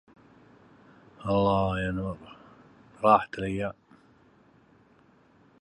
وتحررت من الشكوى على باب الخليفه